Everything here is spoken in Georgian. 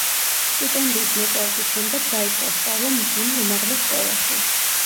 სტიპენდიის მოპოვების შემდეგ დაიწყო სწავლა მუსლიმურ უმაღლეს სკოლაში.